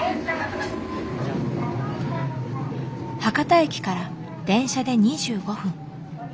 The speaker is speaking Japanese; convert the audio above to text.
博多駅から電車で２５分。